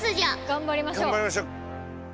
頑張りましょう！